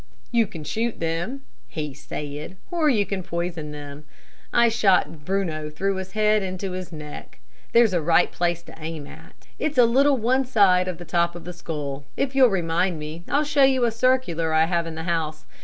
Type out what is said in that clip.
"You can shoot them," he said, "or you can poison them. I shot Bruno through his head into his neck. There's a right place to aim at. It's a little one side of the top of the skull. If you'll remind me I'll show you a circular I have in the house.